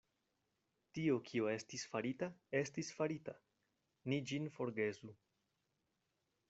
Tio, kio estis farita, estis farita; ni ĝin forgesu.